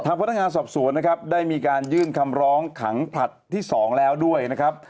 พนักงานสอบสวนนะครับได้มีการยื่นคำร้องขังผลัดที่๒แล้วด้วยนะครับ